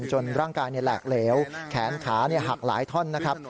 ร่างกายแหลกเหลวแขนขาหักหลายท่อนนะครับ